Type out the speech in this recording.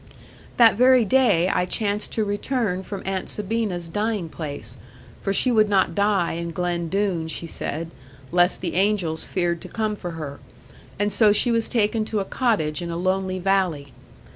'That very day I chanced to return from Aunt Sabina's dying place; for she would not die in Glen Doone, she said, lest the angels feared to come for her; and so she was taken to a cottage in a lonely valley.